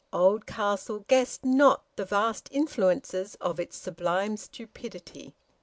Oldcastle guessed not the vast influences of its sublime stupidity.